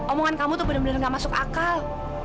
omongan kamu tuh bener bener gak masuk akal